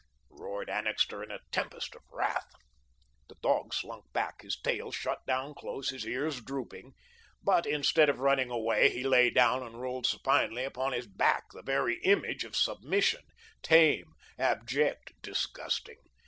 roared Annixter in a tempest of wrath. The dog slunk back, his tail shut down close, his ears drooping, but instead of running away, he lay down and rolled supinely upon his back, the very image of submission, tame, abject, disgusting.